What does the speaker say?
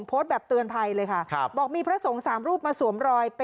โพสต์แบบเตือนภัยเลยค่ะบอกมีพระสงฆ์๓รูปมาสวมรอย